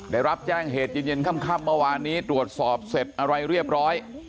ได้รับแจ้งเหตุเย็นค่ำเมื่อวานนี้ตรวจสอบเสร็จอะไรเรียบร้อย